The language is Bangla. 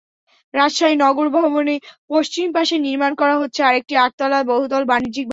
রাজশাহী নগর ভবনের পশ্চিম পাশে নির্মাণ করা হচ্ছে আরেকটি আটতলা বহুতল বাণিজ্যিক ভবন।